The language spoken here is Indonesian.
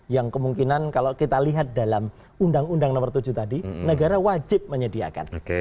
yang kemungkinan kalau kita lihat dalam undang undang nomor tujuh tadi negara wajib menyediakan